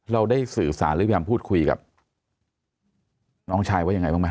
เราได้สื่อสารหรือพยายามพูดคุยกับน้องชายว่ายังไงบ้างไหม